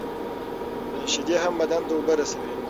شیدې هم بدن ته اوبه رسوي.